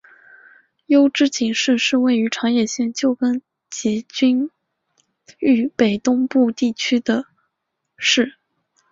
筱之井市是位于长野县旧更级郡域北东部地区的市。